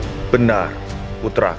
tetapi kenangan aku berpikir